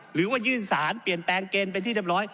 หรือว่ายื่นสารเปลี่ยนแปลงเกณฑ์เป็นที่เรียบร้อย